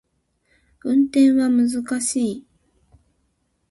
運転は難しい